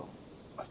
あっ。